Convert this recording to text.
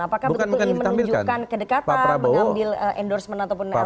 apakah menunjukkan kedekatan mengambil endorsement ataupun elektoral